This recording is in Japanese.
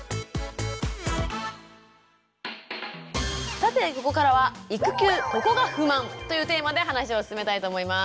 さてここからは「育休・ここが不満！」というテーマで話を進めたいと思います。